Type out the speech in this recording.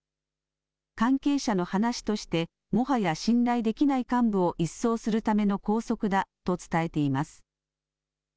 関係者の話としてもはや信頼できない幹部を一掃するための拘束だと伝えています。